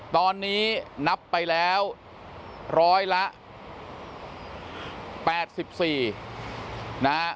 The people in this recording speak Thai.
ตอนนี้นับไปแล้ว๘๓ละเพื่อสีนะ